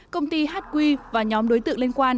công ty hq và nhóm đối tượng liên quan